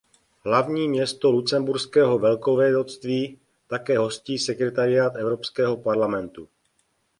Hlavní město Lucemburského velkovévodství také hostí Sekretariát Evropského parlamentu.